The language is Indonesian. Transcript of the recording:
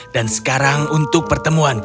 dan sekarang untuk pertemuan